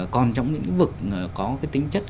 còn trong những lĩnh vực có tính chất